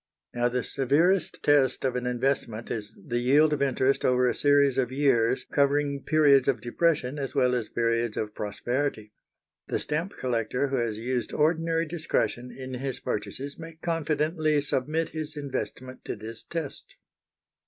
Now, the severest test of an investment is the yield of interest over a series of years covering periods of depression as well as periods of prosperity. The stamp collector who has used ordinary discretion in his purchases may confidently submit his investment to this test.